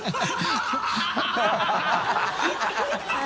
ハハハ